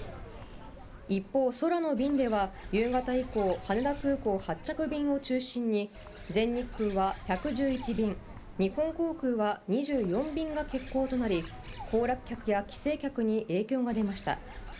一方、空の便では、夕方以降、羽田空港発着便を中心に、全日空は１１１便、日本航空は２４便が欠航となり、行楽客や帰省客に影響が出ました。